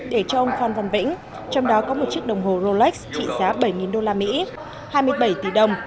để cho ông phan văn vĩnh trong đó có một chiếc đồng hồ rolex trị giá bảy usd hai mươi bảy tỷ đồng